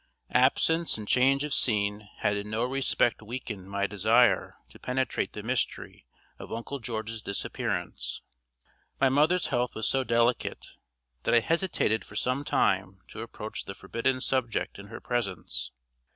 Absence and change of scene had in no respect weakened my desire to penetrate the mystery of Uncle George's disappearance. My mother's health was so delicate that I hesitated for some time to approach the forbidden subject in her presence.